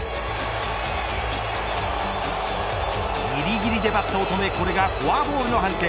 ぎりぎりでバットを止めこれがフォアボールの判定